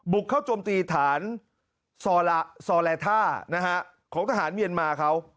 เข้าโจมตีฐานซอแลท่าของทหารเมียนมาเขา